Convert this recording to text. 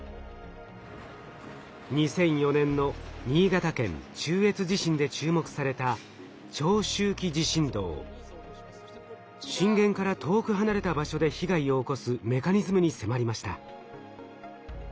２００４年の新潟県中越地震で注目された震源から遠く離れた場所で被害を起こすメカニズムに迫りました。